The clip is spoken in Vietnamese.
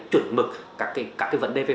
chuẩn mức các cái vấn đề về